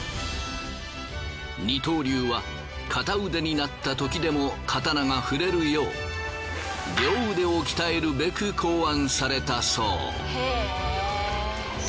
二刀流は片腕になったときでも刀が振れるよう両腕を鍛えるべく考案されたそう。